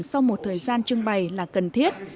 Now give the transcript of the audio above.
sau một thời gian trưng bày là cần thiết